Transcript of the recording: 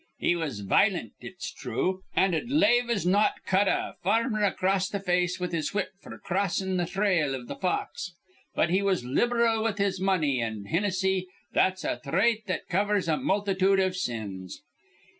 He was vilent, it's thrue, an' 'd as lave as not cut a farmer acrost th' face with his whip f'r crossin' th' thrail iv th' fox; but he was liberal with his money, an', Hinnissy, that's a thrait that covers a multitude iv sins.